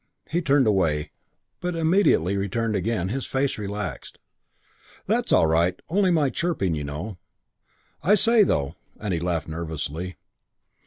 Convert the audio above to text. He turned away, but immediately returned again, his face relaxed. "That's all right. Only my chipping, you know. I say though," and he laughed nervously.